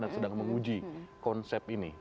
dan sedang menguji konsep ini